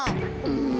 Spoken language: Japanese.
うん。